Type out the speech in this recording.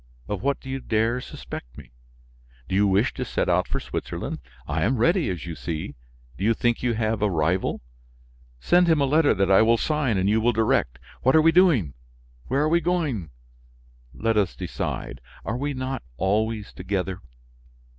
Of what do you dare suspect me? Do you wish to set out for Switzerland? I am ready, as you see. Do you think you have a rival? Send him a letter that I will sign and you will direct. What are we doing? Where are we going? Let us decide. Are we not always together?